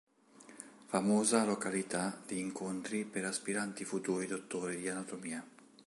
Famosa località di incontri per aspiranti futuri dottori di anatomia.